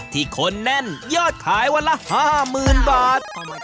คนแน่นยอดขายวันละ๕๐๐๐บาท